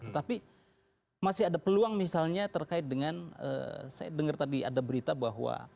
tetapi masih ada peluang misalnya terkait dengan saya dengar tadi ada berita bahwa